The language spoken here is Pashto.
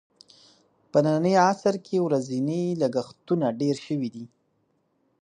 په ننني عصر کې ورځني لګښتونه ډېر شوي دي.